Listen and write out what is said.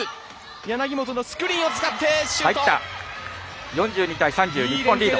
柳本のスクリーンを使ってシュート。